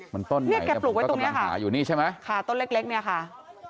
มันต้นนี่แกปลูกไว้ตรงนี้ค่ะค่ะต้นเล็กนี่อะค่ะ